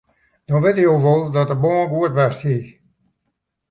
Dan witte je wol dat de bân goed west hie.